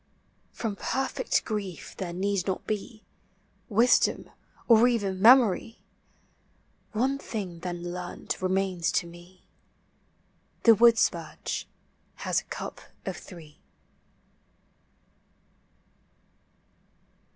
From perfect grief there Deed doI be Wisdom or even memory : One thing then learnt remains I" ii"\ The woodspurge has a cup of three.